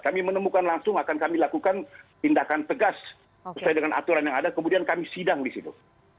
kami menemukan langsung akan kami lakukan tindakan tegas sesuai dengan aturan yang ada kemudian kami sidang di situ